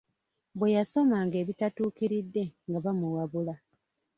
Bwe yasomanga ebitatuukiridde nga bamuwabula.